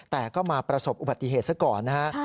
แต่ก็มาประสบอุบัติเหตุซะก่อนนะฮะ